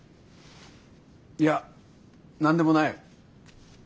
いや何でもない。